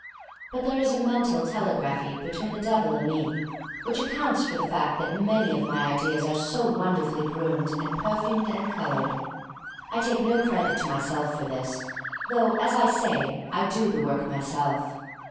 But there is a mental telegraphy between the Devil and me, which accounts for the fact that 93 r 94 THE STORY OF MARY MAC LANE many of my ideas are so wonderfully groomed and perfumed and colored. I take no credit to myself for this, though, as I say, I do the work myself.